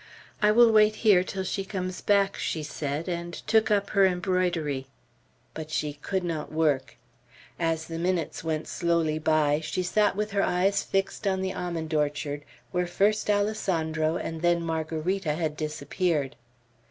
"I will wait here till she comes back," she said, and took up her embroidery. But she could not work. As the minutes went slowly by, she sat with her eyes fixed on the almond orchard, where first Alessandro and then Margarita had disappeared.